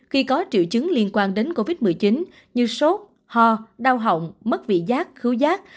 khi có triệu chứng liên quan đến covid một mươi chín như sốt ho đau hỏng mất vị giác khứ giác